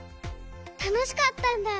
たのしかったんだ。